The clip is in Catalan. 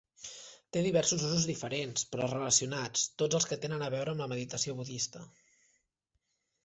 Té diversos usos diferents, però relacionats, tots els que tenen a veure amb la meditació budista.